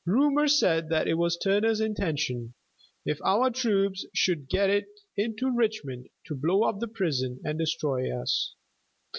Rumor said that it was Turner's intention, if our troops should get into Richmond, to blow up the prison and destroy us.